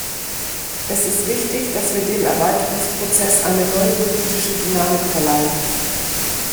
Es ist wichtig, dass wir dem Erweiterungsprozess eine neue politische Dynamik verleihen.